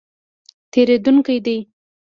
تېرېدونکی دی